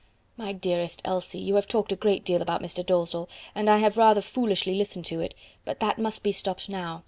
"My dearest Elsie, you have talked a great deal about Mr. Dalzell, and I have rather foolishly listened to it, but that must be stopped now.